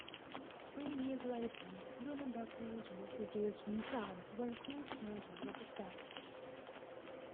Three years later Lunenburg County was reduced in size when Queens County was established.